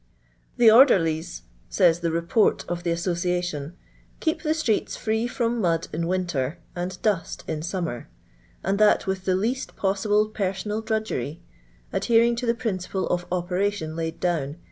*' The orderlies," says the Report of the Asso ciation, "keep the streets free from mud in winter, and dust in summer ; and that with the least possible personal drudgery :— adhering to the principle of operation kid down, viz.